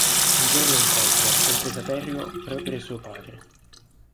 Un giorno incontra, senza saperlo, proprio suo padre.